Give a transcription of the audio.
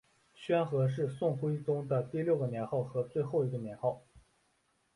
宣和是宋徽宗的第六个年号和最后一个年号。